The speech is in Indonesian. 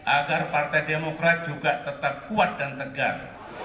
agar partai demokrat juga tetap kuat dan tegar